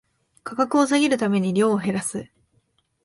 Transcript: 価格を下げるために量を減らす